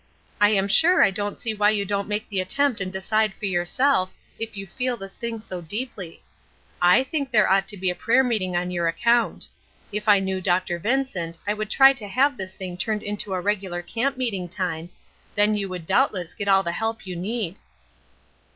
"I am sure I don't see why you don't make the attempt and decide for yourself, if you feel this thing so deeply. I think there ought to be a prayer meeting on your account. If I knew Dr. Vincent I would try to have this thing turned into a regular camp meeting time, then you would doubtless get all the help you need."